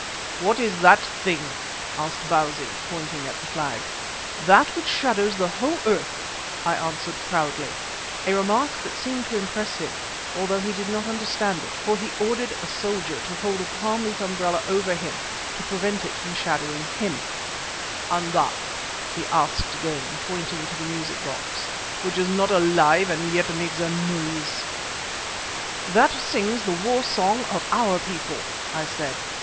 "What is that thing?" asked Bausi, pointing to the flag. "That which shadows the whole earth," I answered proudly, a remark that seemed to impress him, although he did not at all understand it, for he ordered a soldier to hold a palm leaf umbrella over him to prevent it from shadowing him. "And that," he asked again, pointing to the music box, "which is not alive and yet makes a noise?" "That sings the war song of our people," I said.